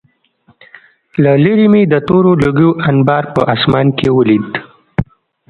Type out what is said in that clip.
له لېرې مې د تورو لوګیو انبار په آسمان کې ولید